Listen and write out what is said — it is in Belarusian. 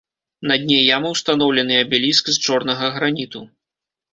На дне ямы ўстаноўлены абеліск з чорнага граніту.